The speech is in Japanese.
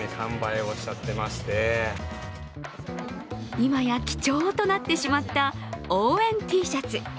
今や貴重となってしまった応援Ｔシャツ。